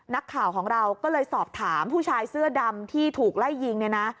นักข่าวของเราก็เลยสอบถามผู้ชายเสื้อดำที่ถูกไล่ยิงเนี่ยนะ